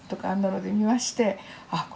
あんなので見ましてあ